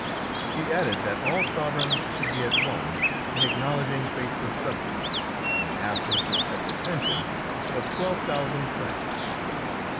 She added that all sovereigns should be at one in acknowledging faithful subjects, and asked him to accept a pension of twelve thousand francs.